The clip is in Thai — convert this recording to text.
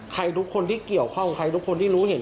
ใครทุกคนที่เกี่ยวข้องกับใครทุกคนที่รู้เห็น